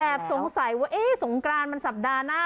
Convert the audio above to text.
สงสัยว่าเอ๊ะสงกรานมันสัปดาห์หน้า